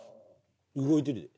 動いてるで。